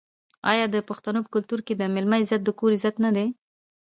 آیا د پښتنو په کلتور کې د میلمه عزت د کور عزت نه دی؟